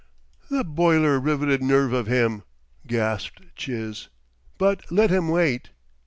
"The boiler riveted nerve of him!" gasped Chiz. "But let him wait!"